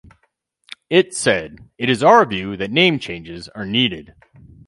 It said: It is our view that name changes are needed.